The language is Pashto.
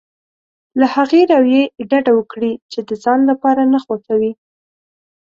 له هغې رويې ډډه وکړي چې د ځان لپاره نه خوښوي.